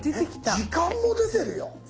時間も出てるよ。